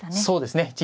そうですね。